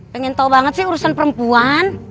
pengen tahu banget sih urusan perempuan